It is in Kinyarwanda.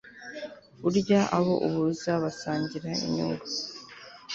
burya abo uhuza basangira inyungu